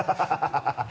ハハハ